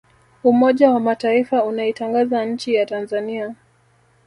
umoja wa mataifa unaitangaza nchi ya tanzania